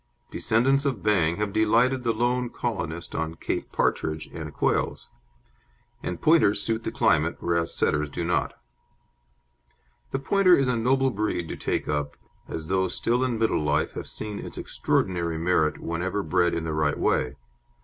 Descendants of Bang have delighted the lone colonist on Cape partridge and quails, and Pointers suit the climate, whereas Setters do not. The Pointer is a noble breed to take up, as those still in middle life have seen its extraordinary merit whenever bred in the right way.